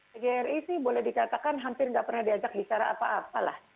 pgri sih boleh dikatakan hampir nggak pernah diajak bicara apa apa lah